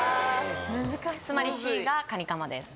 つまりＣがカニカマです